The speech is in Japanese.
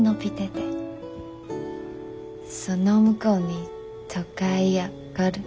その向こうに都会がある。